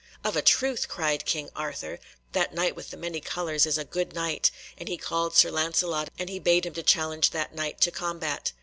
"Of a truth," cried King Arthur, "that Knight with the many colours is a good Knight," and he called Sir Lancelot and bade him to challenge that Knight to combat.